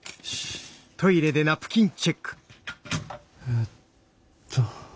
えっと。